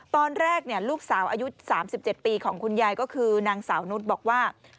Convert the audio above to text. ตอนแรกลูกสาวอายุ๓๗ปีของคุณยายก็คือนางสาวนุษย์บอกว่า